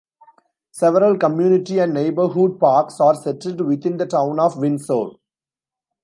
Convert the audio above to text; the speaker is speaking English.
Several community and neighborhood parks are settled within the Town of Windsor.